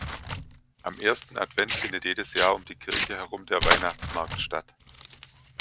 Am ersten Advent findet jedes Jahr um die Kirche herum der Weihnachtsmarkt statt.